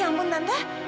ya ampun tante